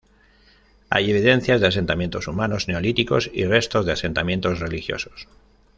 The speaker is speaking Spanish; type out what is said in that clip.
Hay evidencias de asentamientos humanos neolíticos y restos de asentamientos religiosos.